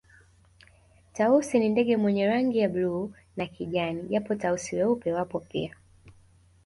Tausi ni ndege mwenye rangi ya bluu na kijani japo Tausi weupe wapo pia